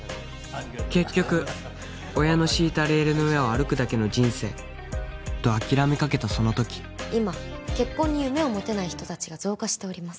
結局親の敷いたレールの上を歩くだけの人生と諦めかけたそのとき今結婚に夢を持てない人たちが増加しております